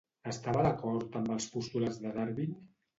Estava d'acord amb els postulats de Darwin?